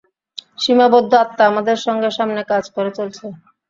সীমাবদ্ধ আত্মা আমাদের সঙ্গে সমানে কাজ করে চলেছে।